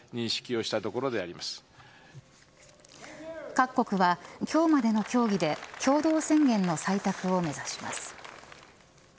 各国は今日までの協議で共同宣言の採択を目指します。